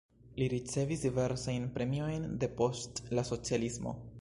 Li ricevis diversajn premiojn depost la socialismo.